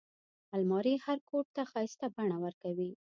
الماري هر کوټ ته ښايسته بڼه ورکوي